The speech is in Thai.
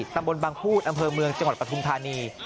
ตำบลบางพูดอำเภอเมืองจังหวัดปฐุมธานี